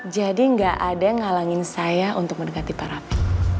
jadi gak ada yang ngalangin saya untuk mengganti pak rafi